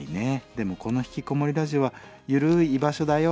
でもこの『ひきこもりラジオ』はゆるい居場所だよ。